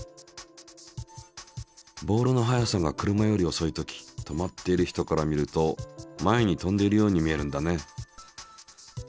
ボールの速さが車よりおそいとき止まっている人から見ると前に飛んでいるように見えるんだね。